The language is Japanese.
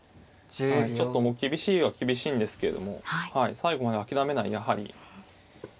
ちょっともう厳しいは厳しいんですけれども最後まで諦めないやはり。